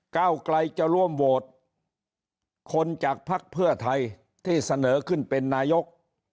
ก้าวไกลจะร่วมโหวตคนจากภักดิ์เพื่อไทยที่เสนอขึ้นเป็นนายก